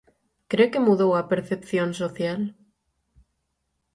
Cre que mudou a percepción social?